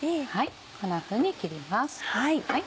こんなふうに切ります。